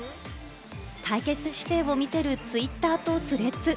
対決姿勢を見せるツイッターとスレッズ。